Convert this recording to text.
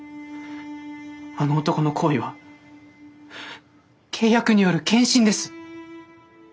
あの男の好意は契約による献身です。